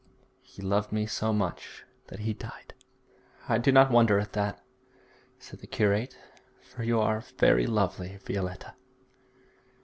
He loved me so much that he died.' 'I do not wonder at that,' said the curate, 'for you are very lovely, Violetta.'